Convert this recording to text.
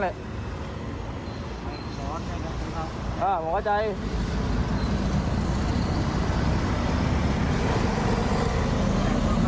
น้ำมะน้ำ